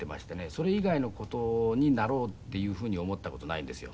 それ以外の事になろうっていうふうに思った事ないんですよ。